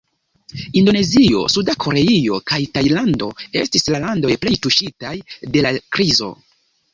Indonezio, Suda Koreio, kaj Tajlando estis la landoj plej tuŝitaj dela krizo.